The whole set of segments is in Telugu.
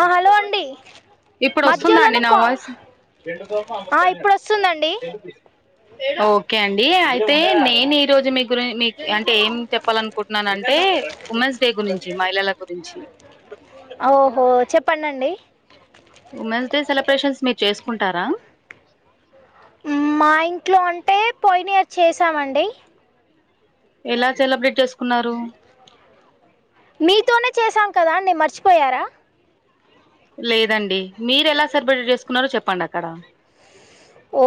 ఆ హలో అండి ఇప్పుడు వస్తుందా అండి మధ్యలోనే నా కా వాయిస్, ఆ ఇప్పుడు వస్తుందండి ఓకే అండి పే న ఈ రోజు మీ గురించి మీ అంటే ఏం చెప్పాలనుకుంటున్నానంటే ఉమెన్స్ డే గురించి మహిళల గురించి ఓహో చెప్పండండి ఉమెన్స్ డే సెలబ్రేషన్స్ మీరు చేసుకుంటారా మా ఇంట్లో అంటే పోయిన ఇయర్ చేసామండి ఎలా సెలబ్రేట్ చేసుకున్నారు మీతోనే చేసాం కదా అండి మర్చిపోయారా లేదండి మీరు ఎలా సెలబ్రేట్ చేసుకున్నారో చెప్పండి అక్కడ ఓ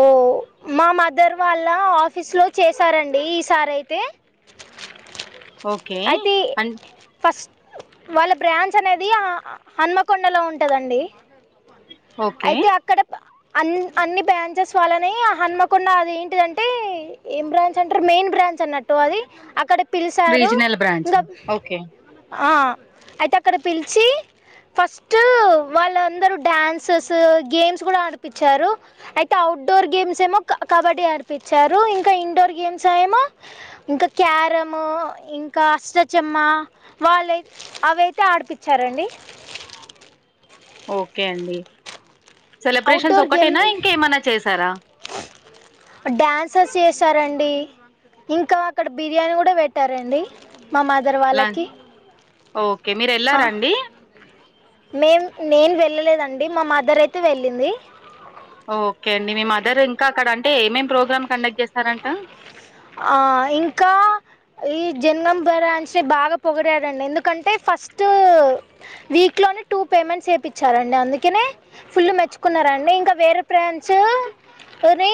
మా మాదర వాల్ అలా ఆఫీస్ లో చేసారండి ఈసారి అయితే ఓకే అయితే అం ఫస్ట్ వాళ్ళ బ్రాంచ్ అనేది హన్మకొండలో ఉంటదండి ఓకే అయితే అక్కడ ప అన్ అన్ని బ్రాంచెస్ వాళ్ళని హన్మకొండ, అది ఏంటిదంటే ఏం బ్రాంచ్ అంటారు, మెయిన్ బ్రాంచ్ అన్నట్టు అది అక్కడ పిలిచారు. రీజనల్ బ్రాంచ్ ఇంకా ఓకే ఆ అయితే అక్కడ పిలిచి, ఫస్ట్ వాళ్ళందరూ డ్యాన్సెస్ గేమ్స్ కూడా ఆడిపించారు. అయితే అవుట్డోర్ గేమ్స్ ఏమో కబడ్డీ ఆడిపించారు, ఇంకా ఇండోర్ గేమ్స్ ఏమో ఇంకా క్యారము ఇంకా అష్టచమ్మ వాళ్ళుై అవి అయితే ఆడిపించారండి. ఓకే అండి సెలబ్రేషన్స్ అవుట్డోర్ గేమ్ ఒకటేనా ఇంకేమనా చేసారా డ్యాన్సెస్ చేశారండి, ఇంకా అక్కడ బిర్యానీ కూడా పెట్టారండి మా మాదర్ వాళ్ళకి ఒ మీరు ఎల్లారా అండి మేం నేను వెళ్ళలేదండి, మా మదర్ అయితే వెళ్ళింది ఓకే అండి. మీ మదర్ ఇంకా అక్కడ అంటే ఏమేం ప్రోగ్రామ్ కండక్ట్ చేస్తారంట ఆ ఇంకా ఈ జనంగం బ్రాంచ్ ని బాగా పొగిడారండి, ఎందుకంటే ఫస్ట్ వీక్ లోనే టూ పేమెంట్స్ వేపిచ్చారండి. అందుకనే ఫుల్ మెచ్చుకున్నారండి ఇంకా వేరే బ్రాంచ్ అరే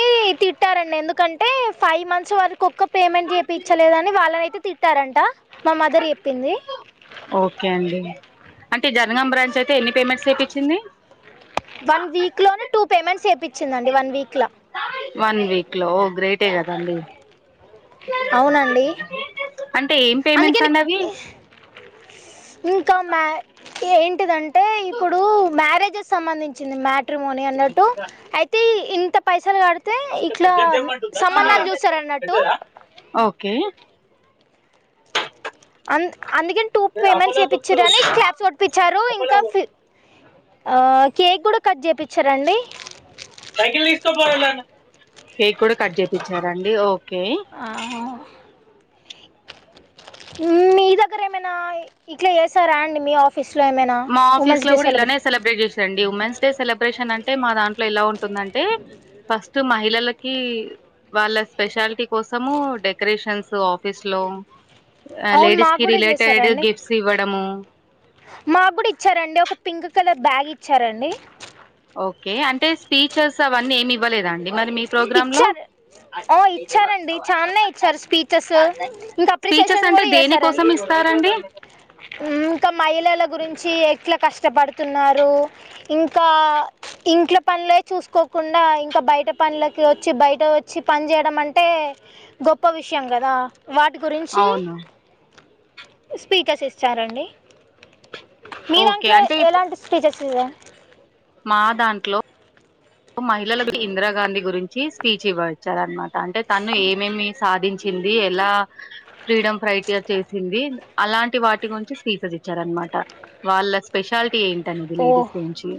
రండి. ఎందుకంటే ఫైవ్ మంత్స్ వారి కుక్క పేమెంట్ వేపిచ్చలేదని వాళ్ళనైతే తిట్టారంట, మా మదర్ చెప్పింది. ఇ జనగం బ్రాంచ్ అయితే ఎన్ని పేమెంట్స్ చేపిచింది వన్ వీక్ లోనే టూ పేమెంట్స్ చెప్ చిందండి వన్ వీక్ లా వన్ వీక్ లో ఓ గ్రేటే కదండి అవునండి అంటే ఏం అందుకే పేమెంట్స్ నీకు అండవి ఇంకా మ ఏంటిదంటే ఇప్పుడు మ్యారేజ్ సంబంధించింది మ మ్యాట్రిమోనీ అన్నట్టు అయితే ఇంత పైసలు కడితే ఇట్లా పెద్ద తెమ్మంటుందా చిన్నదా సంబంధాలు ఆ పెద్ద చూస్తారు అన్నట్టు పెద్దదా ఓకే అం అందుకని టూ పేమెంట్స్ చేపించురని క్లాప్ కొడిపించారు ఇంకా ఫి ఆ కేక్ కూడా కట్ చేపిచ్చిర్రండి కేక్ కూడా కట్ చేపించారా అండి ఓ ఆ మీ దగ్గర ఏమైనా ఇట్లా చేసారా అండి మీ ఆఫీస్ మా ఆఫీస్ లో కూడా ఇలానే సెలబ్రేట్ చేసారండి ఉమెన్స్ డే సెలబ్రేషన్ అంటే మా దాంట్ ఎలా ఉ టుందంటే ఫస్ట్ మహిళలకి కి వాళ్ళ స్పెషాలిటీ కోసము డెకరేషన్స్ ఆఫీస్ లో అవును లేడీస్ మాకు కి కూడా రిలేటెడ్ చేశారండి గిఫ్ట్స్ ఇవ్వడము మాకు కూడా ఇచ్చారండి ఒక పింక్ కలర్ బ్యాగ్ ఇచ్చారండి ఓకే అంటే స్పీచెస్ అవన్నీ ఏమి ఇవ్వలేదండి ఇచ్చారు ఓ ఇచ్చారండి చానా ఇచ్చారు స్పీచెస్ ఇంకా స్పీచెస్ అప్రిసియేషన్ అంటే కూడా దేనికోసం చేసారండి ఇస్తారండి ఉమ్ ఇంకా మహిళల గురించి ఎట్లా కష్టపడుతున్నారు ఇంకా ఇంట్ల పనులే చూసుకోకుండా ఇంకా బయట పనుల కివచ్చి బయట వచ్చి పని చేయడం అంటే గొప్ప విషయం గదా వాటి గురించి అవును స్పీకర్స్ ఇచ్చారండి మీ ఓకే దాంట్లో అంటే ఇప్ ఎలాంటి స్పీచెస్ [unintelligible] మా దాంట్లో మహిళలకి ఇందిరాగాంధీ గురించి స్పీచ్ ఇవ్వ ఇచ్చారన్న మాట అంటే తను ఏమేమి సాధించింది ఎలా ఫ్రీడమ్ ఫైట్ర్ చేసింది అలాంటి వాటి గురించి స్పీచెస్ ఇచ్చారనమాట వాళ్ళ స్పెషాలిటీ టి ఏంటనేది ఓ లేడీస్ గురించి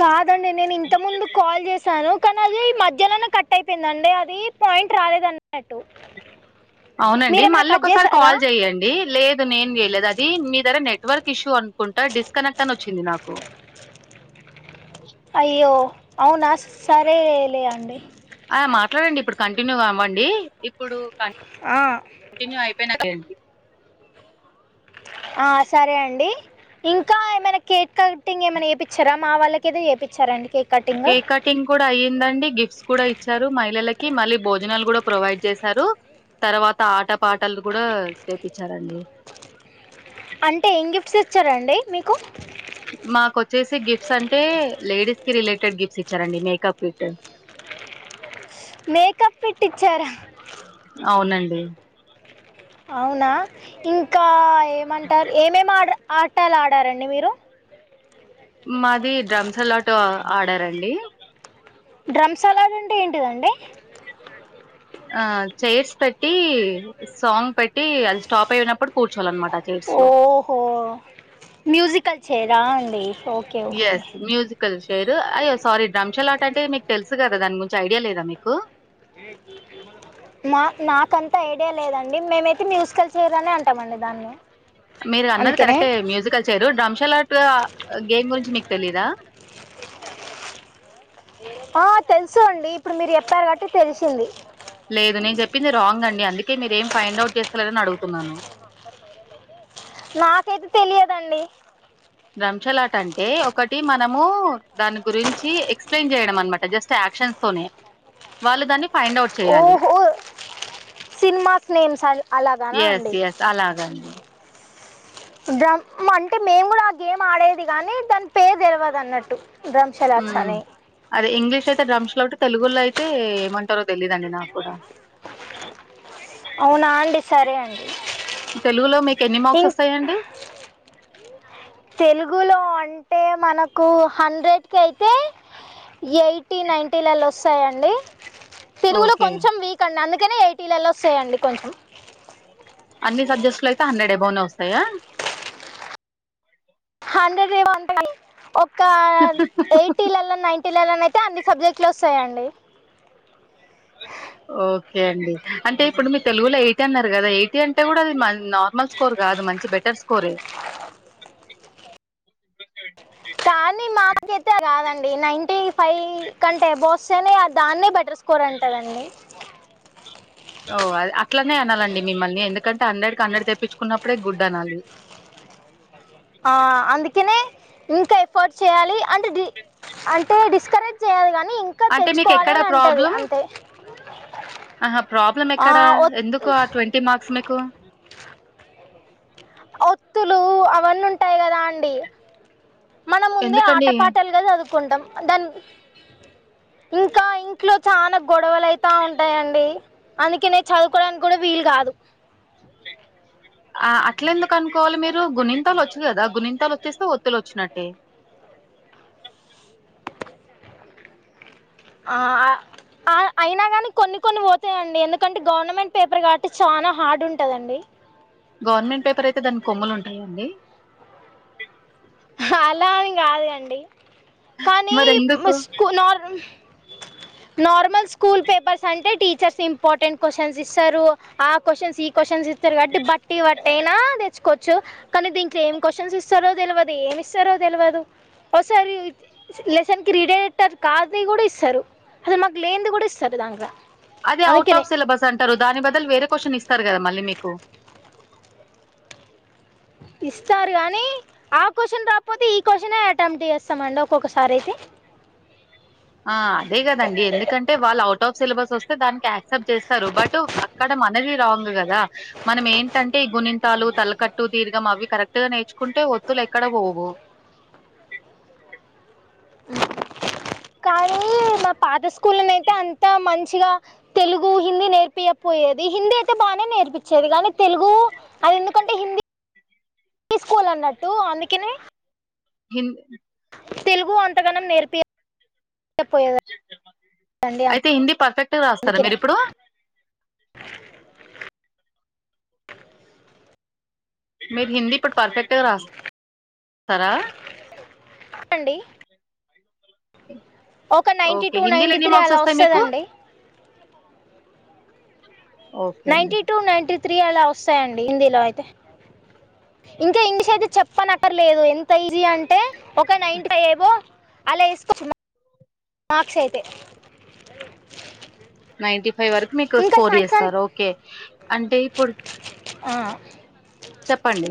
కాదండి నేను ఇంత ముందు కాల్ చేసాను కానీ అది మధ్యలోనే కట్ అయిపోయిందండి అది పాయింట్ రాలేద అన్నట్టు అవునండి మళ్ళ ఒకసారి కాల్ చెయ్యండి లేదు నేను చేయలేదు అది మీ దగ్గర నెట్వర్క్ ఇష్యూ అనుకుంటా డిస్కనెక్ట్ అని వచ్చింది నాకు అయ్యో అవునా సరే లే అండి ఆ మాట్లాడండి ఇప్పుడు కంటిన్యూ అవ్వండి ఇప్పుడు కంటిన్యూ అయిపోయిన కెల్ ఆ సరే అండి ఇంకా ఏమైనా కేక్ కటింగ్ ఏమైనా చేపిచ్చారా మా వాళ్ళకయితే చేయిచ్చారు అండి కేక్ కటింగ్ కూడా అయ్యిందండి గిఫ్ట్స్ కూడా ఇచ్చారు మహిళలకి కి మళ్ళీ భోజనాలు కూడా ప్రొవైడ్ చేశారు తర్వాత ఆట పాటలు కూడా చేపించారండి అంటే ఏం గిఫ్ట్స్ ఇచ్చారండి మీకు మాకోచ్చేసి గిఫ్ట్స్ అంటే లేడీస్ కి రిలేటెడ్ గిఫ్ట్స్ ఇచ్చారండి మేకప్ కిట్ మేకప్ కిట్ ఇచ్చారా అవునండి అవునా ఇంకా ఏమంటారు ఏమేం ఆడార్ ఆటాలు ఆడారండి మీరు మాది డ్రమ్స్ సలాటు ఆడారు అండి డ్రమ్స్ సలాడ్ అంటే ఏంటిదండి ఆ చైర్స్ పెట్టి సాంగ్ పెట్ ట్టి అది స్టాప్ అయినప్పుడు కూర్చోలనమాట ఆ చైర్స్ లో ఓహో దా అండి okay okay yes music chair అయ్యో సారీ డ్రమ్ష లాట్ అంటే మీకు తెలుసు కదా దాని గుంచి ఐడియా లేదా మీకు మా నాకంతా ఐడియా లేదండి మేమ మ్యూజికల్ చైర్ అనే అంటామండి దాన్ని మీరు అన్నది అందుకనే కరెక్ట్ మ్యూజిక్ల్ చైర్ డ్రమ్షల్ ఆర్ట్ గేమ్ గురించి మీకు తెలీదా ఆ తెలుసు అండి ఇప్పుడు మీరు చెప్పారు గట్టి తెలిసింది లేదు నేను చెప్పింది రాంగ్ అండి అందుకే మీరేం ఫైండ్ అవుట్ చేస్తారారని అడుగుతున్నాను నాకైతే తెలియదండి దంశలాట అంటే ఒకటి మనము దాని గురించి ఎక్స్ప్లెయిన్ చేయడం అనమాట జస్ట్ యాక్షన్స్ తోనే వాళ్ళు దాన్ని ఫైండ్ అవుట్ చేయాలి ఓహో సినిమాస్ నేమ్స్ అలాగానా ఎస్ అండి ఎస్ అలాగండి డ్రమ్ అంటే మేము కూడా ఆ గేమ్ ఆడేది గానీ దాని పేరు తెలివదు అన్నట్టు డ్రమ్ ఉ షలాక్స్ అని అదే ఇంగ్లీష్ అయితే డ్రంశల్అట్ తెలుగులో అయితే ఏమంటారో తెలిదండి నాకు కూడా అవునా అండి సరే అండి తెలుగులో మీకు ఎన్ని ఇం మార్క్స్ వస్తాయండి తెలుగులో అంటే మనకు హండ్రెడ్కి అయితే ఎయిటీ నైన్ంటీలలో వస్తయండి తెలుగులో ఓకే కొంచెం వీక్ అండి అందుకే అందుకనే ఎయిటీలలో వస్తాయండి కొంచెం అన్ని సబ్జెక్ట్స్ లో అయితే హండ్రెడ్ ఎబోనే వస్తాయా హండ్రెడ్ ఎమో గాని ఓ ఇంకా ఎయిటీలల నైన్టీల ల అయితే అన్ని సబ్జెక్టుల్లో వస్త వస్తయండి ఓకే అండి అంటే ఇప్పుడు మీరు తెలుగులో ఎయిట్ అన్నారు కదా ఎయిట్ అంటే కూడా అది నార్మల్ స్కోర్ కాదు మంచి బెటర్ స్కోరే కానీ మాకైతే కాదండి నైన్టీ ఫైవ్ కంటే ఎబో వస్తేనే దాన్ని బట్టి అండర్ స్కోర్ అంటరండి ఓ అ అట్లనే అనాలండి మిమ్మల్ని ఎందుకంటే హండ్రెడ్ కి హండ్రెడ్ తెప్పించుకున్నప్పుడే గుడ్ అనాలి ఆ అందుకనే ఇంకా ఎఫర్ట్ చేయాలి అంటే డి అంటే డిస్కరేజ్ చేయాలి కానీ ఇంకా అంటే మీకు ఎక్కడా తెచ్చుకోవాలని అంటది ప్రాబ్లం అంతే ఆహ ప్రాబ్లం ఆ, ఎక్కడా ఎందుకు ఒత్- ఆ ట్వంటీ మార్క్స్ మీకు ఒత్తులు అవన్నీ ఉంటాయి కదా అండి మనం ముందే ఆట ఎందుకండి పాటాలుగా చదువుకుంటాం దాని ఇంకా ఇంట్లో చాలా గొడవలు అయితా ఉంటాయండి అందుకనే చదువుకోవడానికి కూడా వీలు కాదు ఆ అట్ల ఎందుకు అనుకోవాలి మీరు గుణింతాలు వచ్చు కదా ఆ గుణింతాలు వచ్చేస్తే ఒత్తులు వచ్చినట్టే ఆ అయినా కానీ కొన్ని కొన్ని పోతాయండి ఎందుకంటే గవర్నమెంట్ పేపర్ కాబట్టి చానా హార్డ్ ఉంటదండి గవర్నమెంట్ పేపర్ అయితే దానికి కొమ్మలు ఉంటాయా అండి అలా అని కాదు అండి కానీ మరి ఎందుకు స్ స్కు నార్ నార్మల్ స్కూల్ పేపర్స్ అంటే టీచర్స్ ఇంపార్టెంట్ క్వశ్చన్స్ ఇస్తారు ఆ క్వశ్చన్స్ ఈ క్వశ్చన్స్ ఇస్త రు కాబట్టి బట్టి పట్టి అయినా తెచ్చుకో కొచ్చు కనీ దీంట్లో ఏం క్వశ్చన్ ఇస్తరో తెలవదు అ ఏమి ఇస్తారో తెలవదు ఒసారి లెసన్ కి రీలేటడ్ కాన్ది కూడా ఇస్తరు అసలు మాకు లేనిది కూడా ఇస్తరు దాంట్ల అది ఔట్ఆఫ్ సిలబస్ అంటరు దాని బదులు వేరే క్యూషన్ ఇస్త రు కదా మళ్ళీ మీకు ఇస్తారు కానీ ఆ క్వశ్చన్ రాకపోతే ఈ క్వశ్చనే అటెంప్ట్ చేస్తామండి ఒక్కొక్కసారి అయితే ఆ అదే కదండి ఎందుకంటే వాళ్ళు ఔట్ ఆఫ్ సిలబస్ వస్ తే దాన్ క్యా యాక్సెప్ట్ చేస్తరు బట్ అక్కడ మనవి రాంగ్ కదా మనం ఏంటంటే ఈ గునింతాలు తల్లకట్టు తీర్ఘం అవి కరెక్ట్ గా నేర్చుకుంటే తులు ఎక్కడ పోవు కానీ మా పాద స్ అయితే అంత మంచి మంచిగా తెలుగు హిందీ నేర్పియకపోయేది హిందీ అయితే బాగానే నేర్పించేది కానీ తెలుగు అది ఎందుకంటే హిందీ స్కోవల్ అన్నట్టు అందుకనే హిం తెలుగు అంతగనం నేర్పి అయితే హిందీ పర్ఫెక్ట్గా రాస్తారా అందుకనే మీరు ఇప్పుడు మీరు హిందీ ఇప్పుడు పర్ఫెక్ట్ గా రాస్తారు సరా చెప్పండి ఇ ఒక నైన్టీ టూ నైన్టీ త్రీ అలా మీకు వస్తుందండి ఓకే అండి నైన్టీ టూ నైన్టీ త్రీ అలా వస్తాయండీ హిందీ లో అయితే ఇంకా ఇంగ్లీష్ అయితే చెప్పనక్కర్ లేదు ఎంత ఈజీ అంటే ఒక నైన్టీ ఫైవ్ ఎబొవ్ అలా ఎస్కోవచ్చు మార్క్స్ అయితే నైన్టీ ఫైవ్ వరకు మీకు ఇంకా స్కోర్ సైన్స్ చేస్తారు ఓకే అంటే ఇప్పుడు ఆ చెప్పండి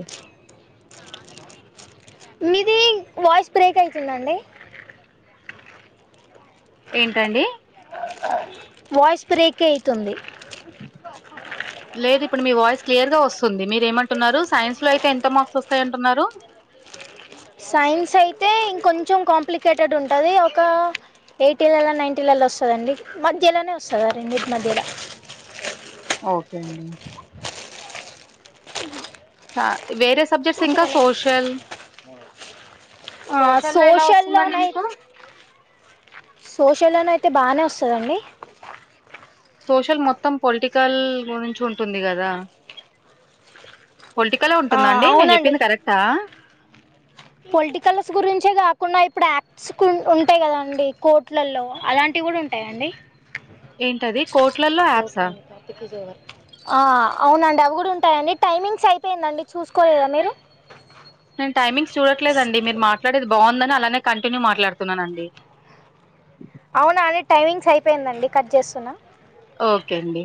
మీది వాయిష్ బ్రేక్ అవుతుందండి ఏంటండి వాయిస్ బ్రేక్ అయితుంది లేదు ఇప్పుడు మీ వాయిస్ క్లియర్ గా వస్తు స్తుంది మీరేమంటున్నారు సైన్స్ లో అయితే ఎంత మార్క్స్ వస్తాయంటున్నారు సైన్స్ అయితే ఇంకొం కొంచెం కాంప్లికేటెడ్ ఉంటది ఒక ఎయిటీలల నైన్టీలల వస్తదండి మధ్యలోనే వస్తద రెండింటి మధ్యల ఓకే అండి స వేరే సబ్జెక్ట్స్ ఇంకా సోషల్ ఆ సోషల్లో ఎలా సోషల్ లో వస్తుందండి మీకు నైతే సోషల్లోనయితే బానే వస్తదండి సోషల్ మొత్తం పొలిటికల్ గురించి ఉంటుంది కదా పొలిటికలే ఆ, ఉంటుందండి నేను అవునండి చెప్పింది కరెక్టా పొలిటికల్స్ గురించే కాకుండా ఇప్పుడు యాక్ట్స్ ఉంటాయి కదాండి కోర్టులలో అలాంటివి కూడా ఉంటాయండి ఏంటది కోట్లల్లో ఓకే యాప్సా అండి టాపిక్ ఇస్ ఓవర్ ఆ అవునండి అవి కూడా ఉంటాయండి టైమింగ్స్ అయిపోయిందండి చూసుకోలేదా మీరు టైమింగ్స్ చూడట్లేదండి మీరు మాట్లాడేది బాగుందని అలాగే కంటిన్యూ మాట్లాడుతున్నానండి అవునా అనే టైమింగ్స్ అయిపోయిందండి కట్ చేస్తున్నా ఓకే అండి